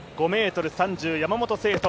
５ｍ３０、山本聖途